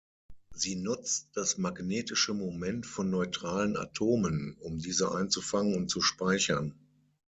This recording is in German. Sie nutzt das magnetische Moment von neutralen Atomen, um diese einzufangen und zu speichern.